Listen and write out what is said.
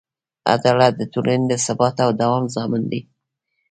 عدالت د ټولنې د ثبات او دوام ضامن دی.